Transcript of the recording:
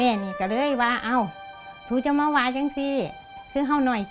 แม่มีแค่เลยว่าอ้าวทุกแต่มาว่าจ้ะตู